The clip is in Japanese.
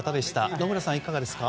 野村さん、いかがですか？